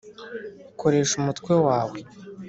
koresha umutwe wawe;